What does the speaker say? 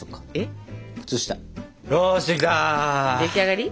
出来上がり？